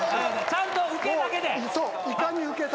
ちゃんとウケだけで。